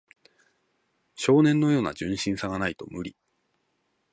少年のような純真さがないと無理